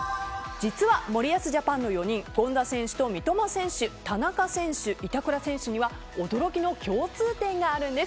実は森保ジャパンの４人権田選手と三笘選手田中選手、板倉選手には驚きの共通点があるんです。